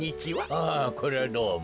ああこりゃどうも。